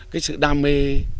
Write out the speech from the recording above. cái sự đam mê